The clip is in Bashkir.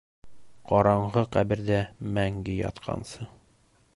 Ҡараңғы ҡәберҙә мәңге ятҡансы.